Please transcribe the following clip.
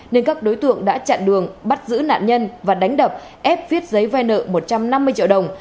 nên các đối tượng đã chặn đường bắt giữ nạn nhân và đánh đập ép viết giấy vai nợ một trăm năm mươi triệu đồng